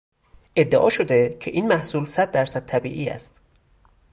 ادعا شده که این محصول صد در صد طبیعی است.